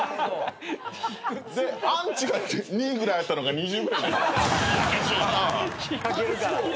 でアンチが２ぐらいあったのが２０ぐらいに。